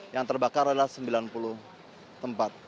yang terbakar adalah sembilan puluh tempat